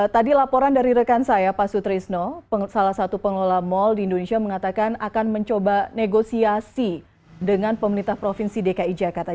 tadi laporan dari rekan saya pak sutrisno salah satu pengelola mal di indonesia mengatakan akan mencoba negosiasi dengan pemerintah provinsi dki jakarta